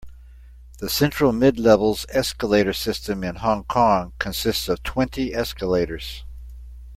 The Central-Midlevels escalator system in Hong Kong consists of twenty escalators.